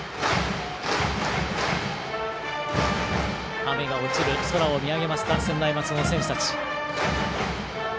雨が落ちる空を見上げました専大松戸の選手たち。